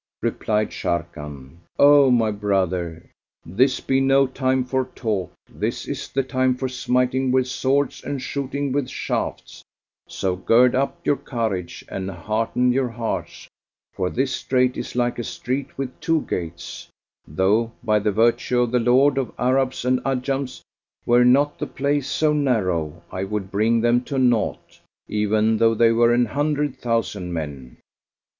Replied Sharrkan, "O my brother, this be no time for talk; this is the time for smiting with swords and shooting with shafts) so gird up your courage and hearten your hearts, for this strait is like a street with two gates; though, by the virtue of the Lord of Arabs and Ajams, were not the place so narrow I would bring them to naught, even though they were an hundred thousand men!"